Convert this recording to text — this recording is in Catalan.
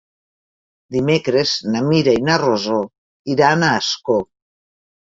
Dimecres na Mira i na Rosó iran a Ascó.